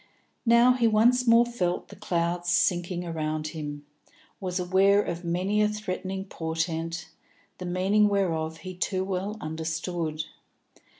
Now he once more felt the clouds sinking about him, was aware of many a threatening portent, the meaning whereof he too well understood.